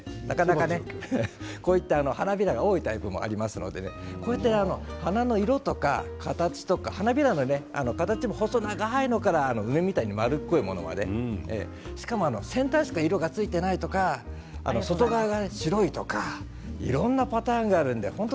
こういった花びらが多いタイプもありますので花の色とか形とか花びらの形も細長いものから丸っこいものまでしかも先端にしか色がついていないとか外側が白いとかいろんなパターンがあります。